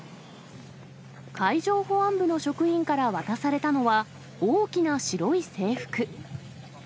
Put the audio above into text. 海上保安部の職員から渡されたのは、大きな白い制服。